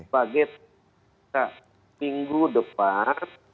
sebagai seminggu depan